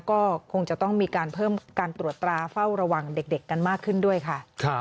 ก็คงจะต้องมีการเพิ่มการตรวจตราเฝ้าระวังเด็กกันมากขึ้นด้วยค่ะ